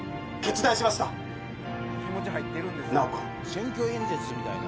選挙演説みたい。